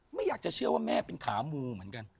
ไม่อยากจะเชื่อว่าแม่เป็นขามูเหมือนกัน